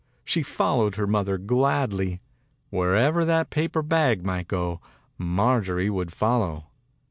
She followed her mother gladly. Wherever that paper bag might go, Marjorie would follow.